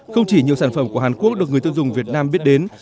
không chỉ nhiều sản phẩm của hàn quốc được người tiêu dùng việt nam biết đến